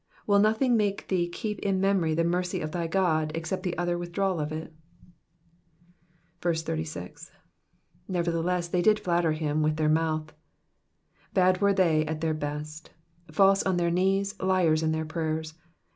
Will nothing make thee keep in memory the mercy of thy God except the utter withdrawal of it ? 36. ''''Nevertheless they did flatter him toith their mouth,''^ Bad were they at their best. False on their knees, liars m their prayers.